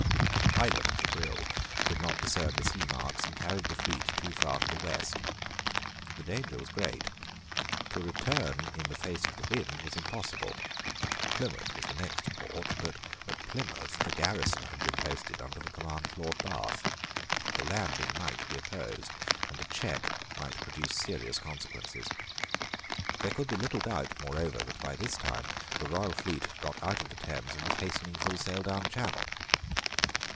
The pilot of the Brill could not discern the sea marks, and carried the fleet too far to the west. The danger was great. To return in the face of the wind was impossible. Plymouth was the next port. But at Plymouth a garrison had been posted under the command of Lord Bath. The landing might be opposed; and a check might produce serious consequences. There could be little doubt, moreover, that by this time the royal fleet had got out of the Thames and was hastening full sail down the Channel.